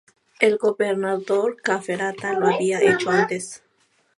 El gobernador Cafferata lo había hecho antes.